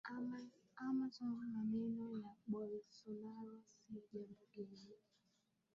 Amazon Maneno ya Bolsonaro sio jambo geni